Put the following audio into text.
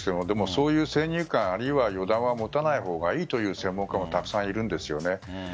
でも、そういう先入観あるいは油断は持たない方がいいという専門家もたくさんいるんです。